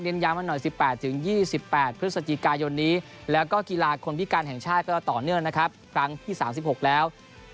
เรียนย้ำหน่อย๑๘๒๘พฤศจิกายนและกีฬาคนพิการแห่งชาติต่อเนื่องครั้งที่๓๖แล้ว